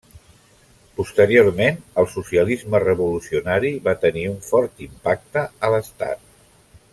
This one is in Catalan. Posteriorment, el socialisme revolucionari va tenir un fort impacte a l'estat.